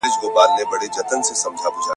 • لږ مي درکه، خوند ئې درکه.